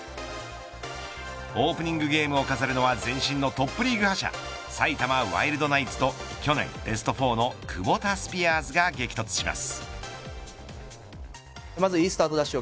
オープニングゲームを飾るのは前身のトップリーグ覇者埼玉ワイルドナイツと去年ベスト４のクボタスピアーズが激突します。